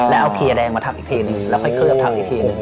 แล้วเอาเครียดแดงมาทักอีกทีหนึ่งแล้วคลือบทักอีกทีหนึ่ง